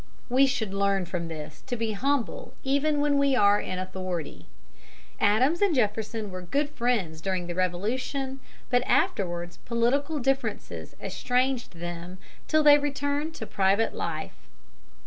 We should learn from this to be humble even when we are in authority. Adams and Jefferson were good friends during the Revolution, but afterwards political differences estranged them till they returned to private life.